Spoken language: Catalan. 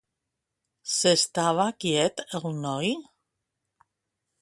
S'estava quiet el noi?